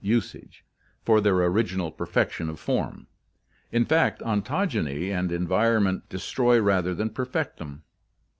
usage) for their original perfection of form; in fact, ontogeny and environment destroy rather than perfect them.